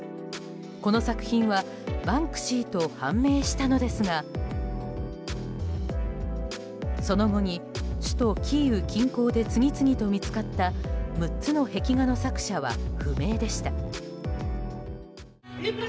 この作品はバンクシーと判明したのですがその後に、首都キーウ近郊で次々と見つかった６つの壁画の作者は不明でした。